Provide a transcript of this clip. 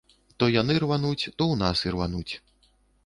То яны рвануць, то ў нас ірвануць.